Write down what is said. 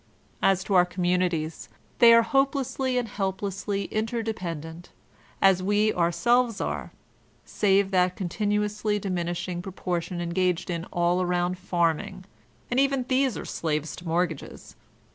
As to our communities, they are hopelessly and help lessly interdependent, as we ourselves are, save that con tinuously diminishing proportion engaged in all around farming; and even these are slaves to mortgages.